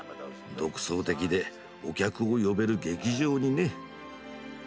独創的でお客を呼べる「劇場」にね。